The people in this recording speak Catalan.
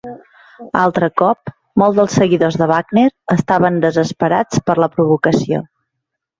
Altre cop, molts dels seguidors de Wagner estaven desesperats per la provocació.